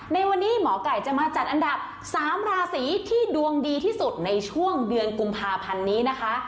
ในวันนี้หมอไก่จะมาจัดอันดับ๓ราศีที่ดวงดีที่สุดในช่วงเดือนกุมภาพันธ์นี้นะคะ